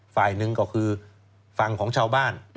ฝ่ายหนึ่งก็คือฝั่งของชาวบ้าน